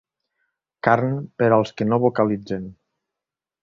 Carn per als que no vocalitzen.